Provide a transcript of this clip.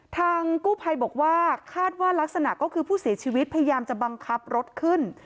ทางกู้ภัยบอกว่าคาดว่ารักษณะก็คือผู้เสียชีวิตพยายามจะบังคับรถขึ้น